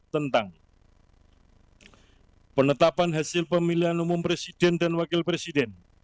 tentang penetapan hasil pemilihan umum presiden dan wakil presiden